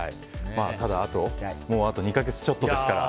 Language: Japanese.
ただあと２か月ちょっとですから。